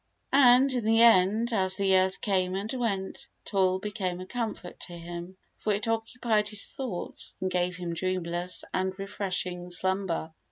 And in the end, as the years came and went, toil became a comfort to him, for it occupied his thoughts and gave him dreamless and refreshing slumber.